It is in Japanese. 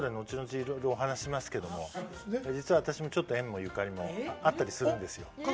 いろいろお話しますけれども実は私も縁もゆかりもあったりするんですよ。